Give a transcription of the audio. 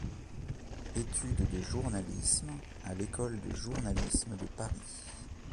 Études de journalisme à l'École de journalisme de Paris.